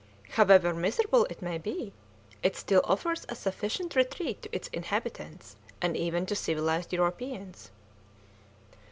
"However miserable it may be, it still offers a sufficient retreat to its inhabitants, and even to civilised Europeans."